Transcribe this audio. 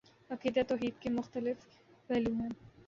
عقیدہ توحید کے مختلف پہلو ہیں